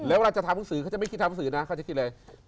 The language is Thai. แล้วเวลาจะทำภาษาภาษาภาษาเขาจะไม่คิดทำภาษาภาษานะ